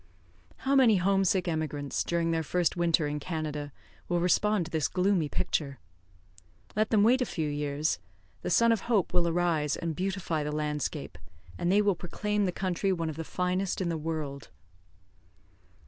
How many home sick emigrants, during their first winter in Canada, will respond to this gloomy picture! Let them wait a few years; the sun of hope will arise and beautify the landscape, and they will proclaim the country one of the finest in the world.